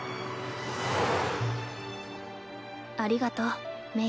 ありがと鳴。